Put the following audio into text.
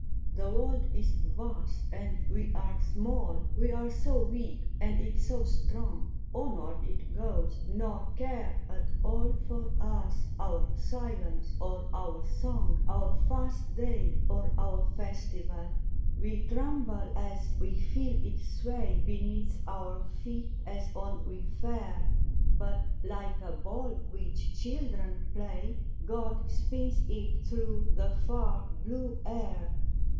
HE world is vast and we are small, We are so weak and it so strong, Onward it goes, nor cares at all For us, our silence or our song, Our fast day or our festival. We tremble as we feel it sway Beneath our feet as on we fare ; But, like a ball which children play, God spins it through the far blue air.